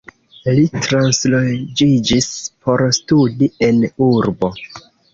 Li transloĝiĝis por studi en urbo.